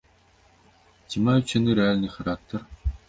Ці маюць яны рэальны характар?